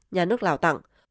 nhà nước lào tặng